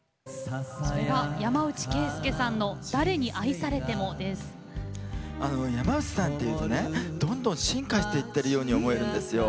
山内惠介さんの「誰に愛されても」です。山内さんっていうとどんどん進化していってるように見えるんですよ。